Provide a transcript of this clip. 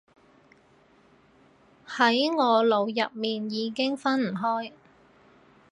喺我腦入面已經分唔開